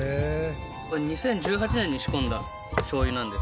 これ２０１８年に仕込んだしょうゆなんですよ。